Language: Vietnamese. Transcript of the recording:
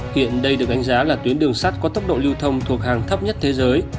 hiện đây được đánh giá là tuyến đường sắt có tốc độ lưu thông thuộc hàng thấp nhất thế giới